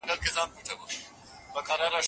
منګي بې رنګه نه وي.